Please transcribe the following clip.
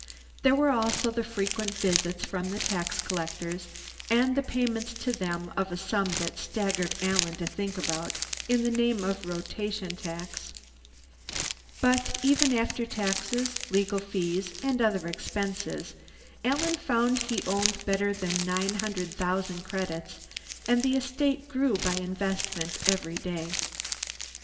There were also the frequent visits from the tax collectors, and the payment to them of a sum that staggered Alan to think about, in the name of Rotation Tax. But even after taxes, legal fees, and other expenses, Alan found he owned better than nine hundred thousand credits, and the estate grew by investment every day.